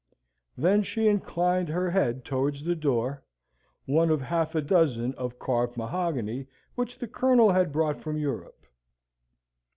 Then she inclined her head towards the door one of half a dozen of carved mahogany which the Colonel had brought from Europe.